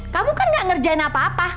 kamu kan gak ngerjain apa apa